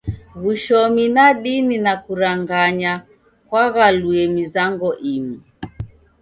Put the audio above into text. W'ushomi na dini na kuranganakwaghaluye mizango imu.